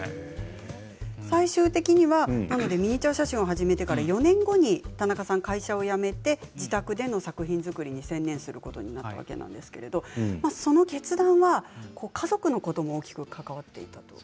最終的にはミニチュア写真を始めてから４年後に田中さんは会社を辞めて自宅での作品作りに専念することになるわけなんですけれどもその決断は家族のことも大きく関わっていたと。